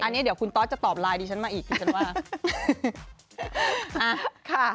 อันนี้เดี๋ยวคุณตอสจะตอบไลน์ดิฉันมาอีกดิฉันว่า